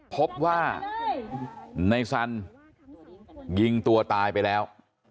พบว่าในสันยิงตัวตายไปแล้ว